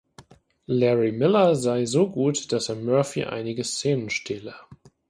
Larry Miller sei so gut, dass er Murphy einige Szenen „stehle“.